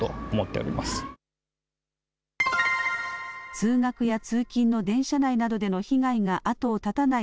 通学や通勤の電車内などでの被害が後を絶たない